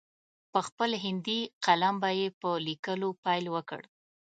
په خپل هندي قلم به یې په لیکلو پیل وکړ.